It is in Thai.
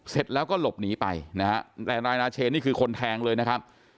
เสร็จแล้วก็หลบหนีไปนะฮะแต่นายนาเชนนี่คือคนแทงเลยนะครับ